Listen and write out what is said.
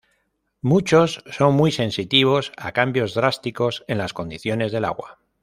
Muchos son muy sensitivos a cambios drásticos en las condiciones del agua.